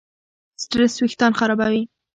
سټرېس وېښتيان خرابوي.